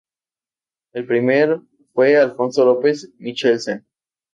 El primer fue Alfonso López Michelsen.